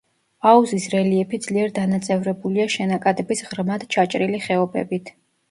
აუზის რელიეფი ძლიერ დანაწევრებულია შენაკადების ღრმად ჩაჭრილი ხეობებით.